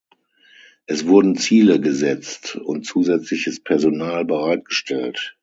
Es wurden Ziele gesetzt und zusätzliches Personal bereitgestellt.